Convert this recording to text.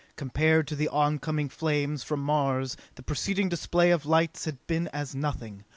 Compared to the oncoming flames from Mars, the preceding display of lights had been as nothing.